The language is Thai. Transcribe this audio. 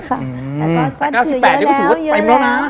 แต่โคตร๙๘เดี๋ยวก็ถือว่าเต็มแล้วนะ